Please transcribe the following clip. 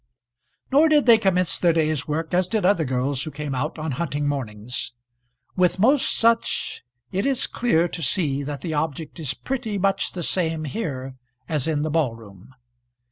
Nor did they commence their day's work as did other girls who came out on hunting mornings. With most such it is clear to see that the object is pretty much the same here as in the ballroom.